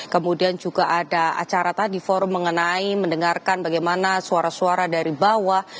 kemudian juga ada acara tadi forum mengenai mendengarkan bagaimana suara suara dari bawah